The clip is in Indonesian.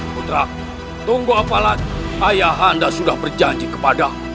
putra tunggu apalagi ayah anda sudah berjanji kepada